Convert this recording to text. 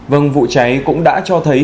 vâng vụ cháy cũng đã cho thấy